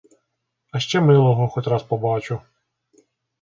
А ще милого хоч раз побачу.